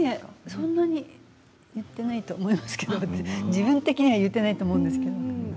そんなに言っていないと思いますけれど自分的には言っていないと思うんですけれど。